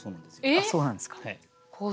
そうなんですか。